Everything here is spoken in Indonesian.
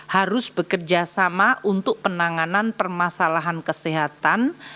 harus bekerjasama untuk penanganan permasalahan kesehatan